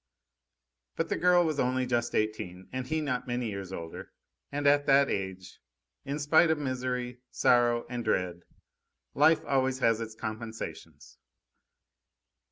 But the girl was only just eighteen, and he not many years older, and at that age, in spite of misery, sorrow, and dread, life always has its compensations.